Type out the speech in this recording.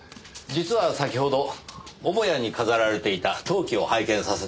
実は先ほど母屋に飾られていた陶器を拝見させてもらいました。